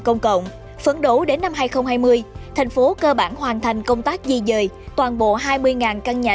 công cộng phấn đấu đến năm hai nghìn hai mươi thành phố cơ bản hoàn thành công tác di dời toàn bộ hai mươi căn nhà